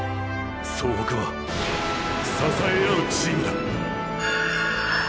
総北は支え合うチームだ！！っ！！